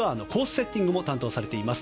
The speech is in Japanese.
セッティングも担当されています